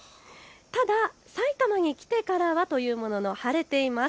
たださいたまに来てからはというものの晴れています。